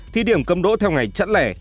thí điểm cấm đỗ theo ngày chẵn lẻ